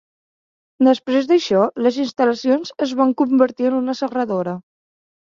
Després d'això, les instal·lacions en van convertir en una serradora.